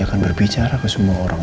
akan berbicara ke semua orang